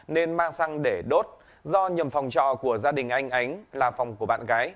nên mang xăng để đốt do nhầm phòng trọ của gia đình anh ánh là phòng của bạn gái